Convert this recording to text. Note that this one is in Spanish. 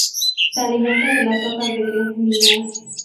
Se alimenta de las hojas de gramíneas.